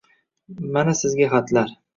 Mana sizga xatlar